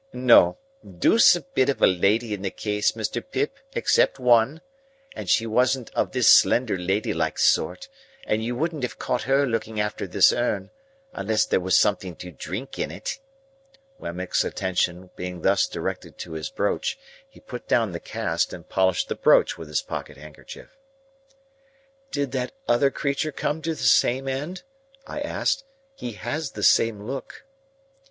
No; deuce a bit of a lady in the case, Mr. Pip, except one,—and she wasn't of this slender lady like sort, and you wouldn't have caught her looking after this urn, unless there was something to drink in it." Wemmick's attention being thus directed to his brooch, he put down the cast, and polished the brooch with his pocket handkerchief. "Did that other creature come to the same end?" I asked. "He has the same look."